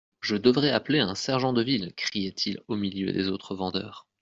Je devrais appeler un sergent de ville, criait-il au milieu des autres vendeurs.